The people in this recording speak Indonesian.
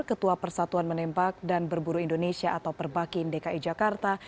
ketua persatuan menembak dan berburu indonesia atau perbakin dki jakarta